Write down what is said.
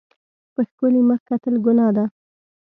په ښکلي مخ کتل ګناه نه ده.